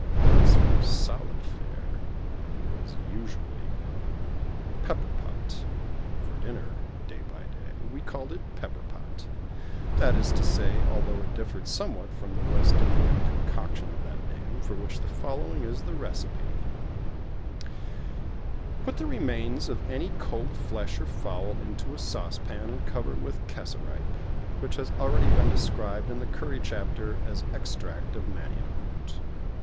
As for solid fare it was usually Pepper pot for dinner, day by day. We called it Pepper pot that is to say, although it differed somewhat from the West Indian concoction of that name, for which the following is the recipe: Put the remains of any cold flesh or fowl into a saucepan, and cover with cassaripe which has been already described in the Curry chapter as extract of Manioc root.